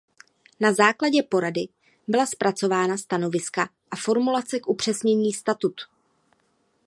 Na základě porady byla zpracována stanoviska a formulace k upřesnění statut.